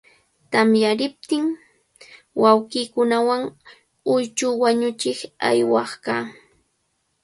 Tamyariptin, wawqiikunawan lluychu wañuchiq aywaq kaa.